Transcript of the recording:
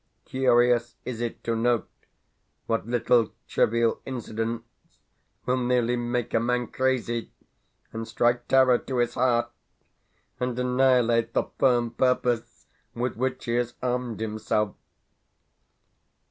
Curious is it to note what little, trivial incidents will nearly make a man crazy, and strike terror to his heart, and annihilate the firm purpose with which he has armed himself.